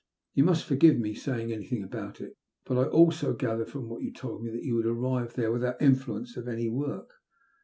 Yon must forgive my saying anything about it, but I also gathered from what you told me that you would arrive there without influence of any sort.